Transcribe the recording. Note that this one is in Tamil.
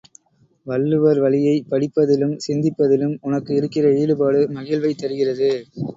வள்ளுவர் வழியைப் படிப்பதிலும் சிந்திப்பதிலும் உனக்கு இருக்கிற ஈடுபாடு மகிழ்வைத் தருகிறது.